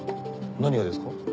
何がですか？